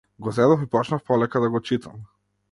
Го зедов и почнав полека да го читам.